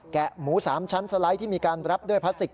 หมู๓ชั้นสไลด์ที่มีการรับด้วยพลาสติก